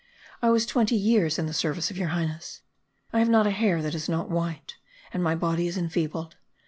I was twenty years in the service of your Highness; I have not a hair that is not white; and my body is enfeebled.